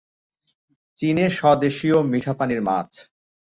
চীনে স্বদেশীয় মিঠাপানির মাছ।